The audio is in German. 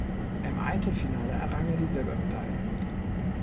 Im Einzelfinale errang er die Silbermedaille.